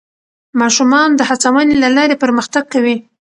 ماشومان د هڅونې له لارې پرمختګ کوي